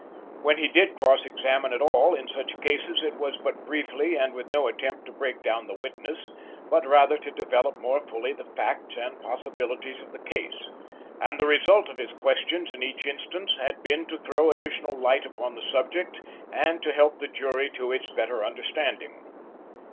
When he did cross examine at all in such cases it was but briefly and with no attempt to break down the witness, but rather to develop more fully the facts and possibilities of the case, and the result of his questions in each instance had been to throw additional light upon the subject and to help the jury to its better understanding.